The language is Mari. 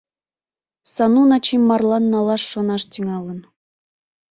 Сану Начим марлан налаш шонаш тӱҥалын.